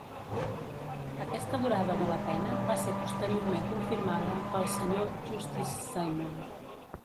Aquesta durada de la pena va ser posteriorment confirmada pel Sr. Justice Simon.